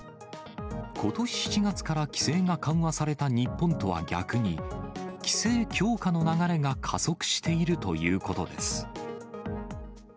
ことし７月から規制が緩和された日本とは逆に、規制強化の流れが加速しているということです。